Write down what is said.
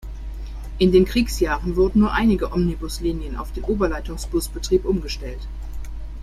In den Kriegsjahren wurden nur einige Omnibuslinien auf den Oberleitungsbusbetrieb umgestellt.